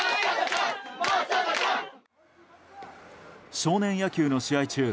少年野球の試合中